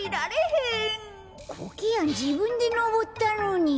コケヤンじぶんでのぼったのに。